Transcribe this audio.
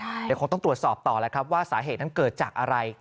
เดี๋ยวคงต้องตรวจสอบต่อแล้วครับว่าสาเหตุนั้นเกิดจากอะไร